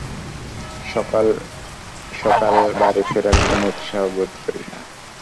সকাল-সকল বাড়ি ফেরার কোনো উৎসাহ বোধ করি না।